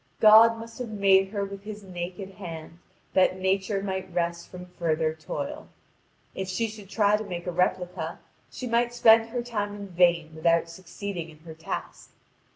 God must have made her with His naked hand that Nature might rest from further toil. If she should try to make a replica, she might spend her time in vain without succeeding in her task.